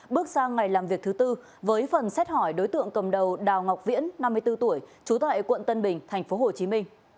bước sang ngày làm việc thứ tư với phần xét hỏi đối tượng cầm đầu đào ngọc viễn năm mươi bốn tuổi trú tại quận tân bình tp hcm